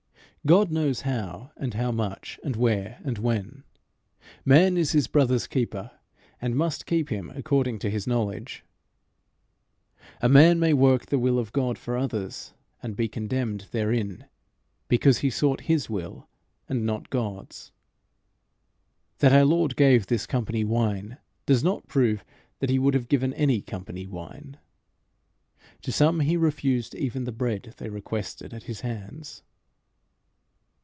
God knows how and how much, and where and when: man is his brother's keeper, and must keep him according to his knowledge. A man may work the will of God for others, and be condemned therein because he sought his own will and not God's. That our Lord gave this company wine, does not prove that he would have given any company wine. To some he refused even the bread they requested at his hands.